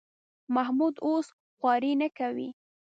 محمود اوس خواري نه کوي.